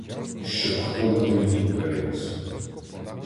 Щоб хто на той бік перевіз.